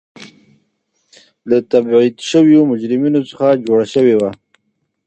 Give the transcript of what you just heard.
له تبعید شویو مجرمینو څخه جوړه شوې وه.